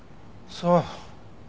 そう。